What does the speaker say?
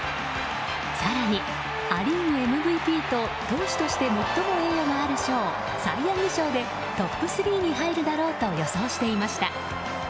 更に、ア・リーグＭＶＰと投手として最も栄誉のある賞サイ・ヤング賞でトップ３に入るだろうと予想されていました。